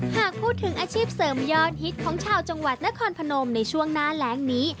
หากพูดถึงอาชีพเสริมยอดฮิตของชาวจังหวัดนครพนมในช่วงหน้าแรงนี้